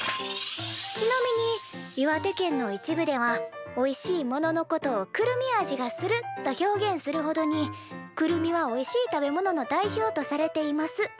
ちなみに「岩手県の一部ではおいしいもののことを『くるみ味がする』と表現するほどにくるみはおいしい食べ物の代表とされています」